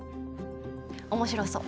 面白そう。